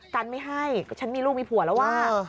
กันไม่ให้ฉันมีลูกมีผัวแล้วว่า